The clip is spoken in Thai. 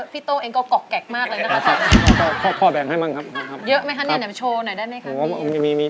พี่ต้องเองก็กอกแกะมากเลยนะครับพ่อแบ่งให้บ้างครับเยอะไหมคะเนี่ยไหนมาโชว์หน่อยได้ไหมคะ